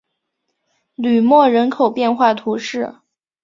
吕莫人口变化图示